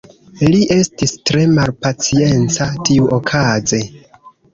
Li estis tre malpacienca tiuokaze.